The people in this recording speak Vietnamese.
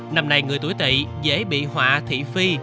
năm nay người tuổi tị dễ bị họa thị phi